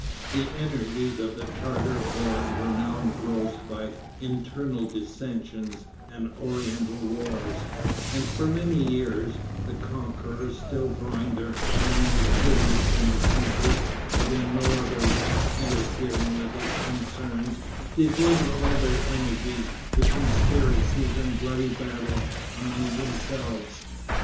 The energies of the Tartar horde were now engrossed by internal dissensions and oriental wars, and for many years, the conquerors still drawing their annual tribute from the country, but in no other way interfering with its concerns, devoted all their energies to conspiracies and bloody battles among themselves.